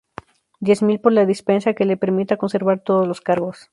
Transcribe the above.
diez mil por la dispensa que le permita conservar todos los cargos